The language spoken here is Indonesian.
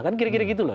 kan kira kira gitu loh